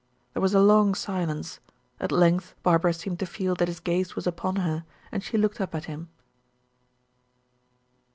There was a long silence, at length Barbara seemed to feel that his gaze was upon her, and she looked up at him.